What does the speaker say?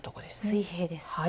水平です。